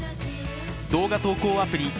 動画投稿アプリ